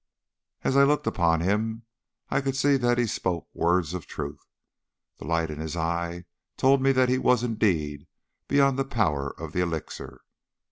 "As I looked upon him I could see that he spoke words of truth. The light in his eye told me that he was indeed beyond the power of the elixir.